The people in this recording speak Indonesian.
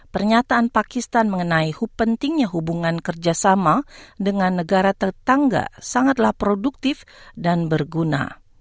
pernyataan pakistan mengenai pentingnya hubungan kerjasama dengan negara tetangga sangatlah produktif dan berguna